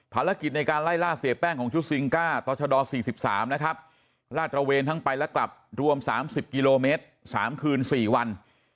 ภารกิจในการไล่ล่าเสียแป้งของชุดซิงก้าต่อชด๔๓นะครับลาดตระเวนทั้งไปและกลับรวม๓๐กิโลเมตร๓คืน๔วัน